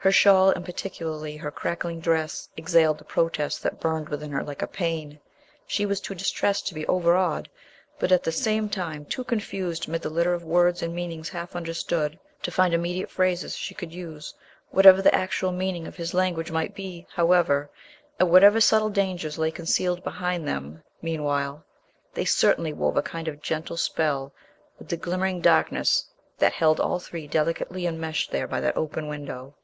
Her shawl, and particularly her crackling dress, exhaled the protest that burned within her like a pain. She was too distressed to be overawed, but at the same time too confused 'mid the litter of words and meanings half understood, to find immediate phrases she could use. Whatever the actual meaning of his language might be, however, and whatever subtle dangers lay concealed behind them meanwhile, they certainly wove a kind of gentle spell with the glimmering darkness that held all three delicately enmeshed there by that open window.